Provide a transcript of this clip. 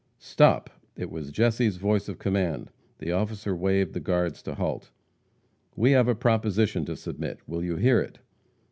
"Stop!" It was Jesse's voice of command. The officer waved the guards to halt. "We have a proposition to submit. Will you hear it?"